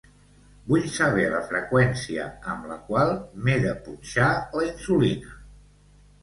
Vull saber la freqüència amb la qual m'he de punxar la insulina.